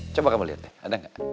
coba kamu liat deh ada gak